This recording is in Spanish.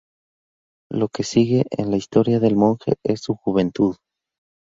Lo que sigue es la historia del monje en su juventud.